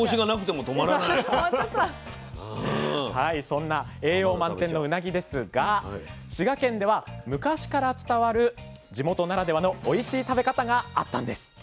そんな栄養満点のうなぎですが滋賀県では昔から伝わる地元ならではのおいしい食べ方があったんです。